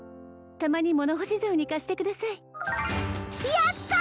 たまに物干し竿に貸してくださいやった！